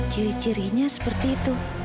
ciri cirinya seperti itu